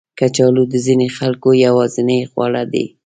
کچالو د ځینو خلکو یوازینی خواړه دي